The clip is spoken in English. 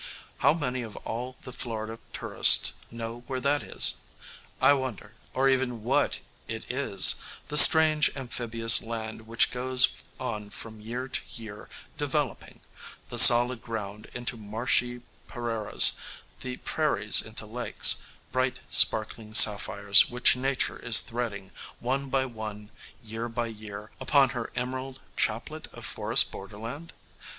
How many of all the Florida tourists know where that is? I wonder. Or even what it is the strange amphibious land which goes on from year to year "developing" the solid ground into marshy "parrairas," the prairies into lakes, bright, sparkling sapphires which Nature is threading, one by one, year by year, upon her emerald chaplet of forest borderland?